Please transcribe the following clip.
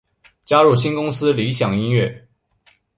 加入新公司理响音乐。